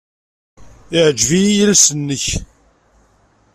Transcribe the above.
Yeɛjeb-iyi yiles-nnek.